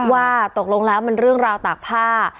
ว่าตกลงแล้วมันเรื่องราวตากผ้า